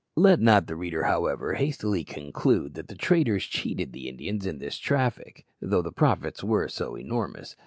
Let not the reader, however, hastily conclude that the traders cheated the Indians in this traffic, though the profits were so enormous.